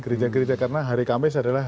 gereja gereja karena hari kamis adalah